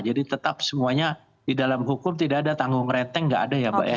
jadi tetap semuanya di dalam hukum tidak ada tanggung renteng nggak ada ya mbak ya